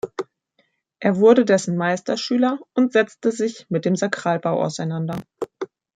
Er wurde dessen Meisterschüler und setzte sich mit dem Sakralbau auseinander.